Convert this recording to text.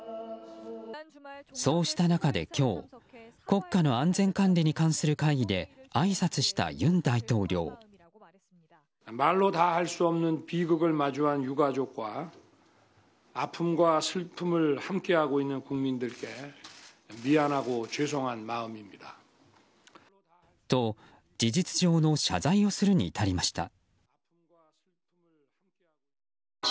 そうした中で今日国家の安全管理に関する会議であいさつした尹大統領。と、事実上の謝罪をするに至りました。